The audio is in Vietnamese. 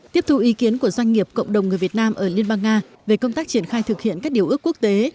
tiếp thu ý kiến của doanh nghiệp cộng đồng người việt nam ở liên bang nga về công tác triển khai thực hiện các điều ước quốc tế